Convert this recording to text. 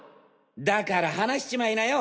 だから話しちまいなよ